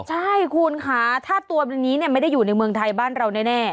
ใช่คุณค่ะถ้าตัวนี้ไม่ได้อยู่ในเมืองไทยบ้านเราแน่